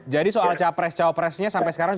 jadi soal cawapres cawapresnya sampai sekarang